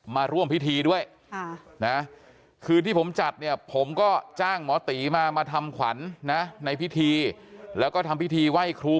มาร่วมพิธีด้วยนะคือที่ผมจัดเนี่ยผมก็จ้างหมอตีมามาทำขวัญนะในพิธีแล้วก็ทำพิธีไหว้ครู